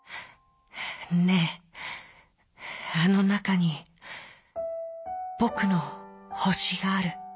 ねえあのなかにぼくの星がある。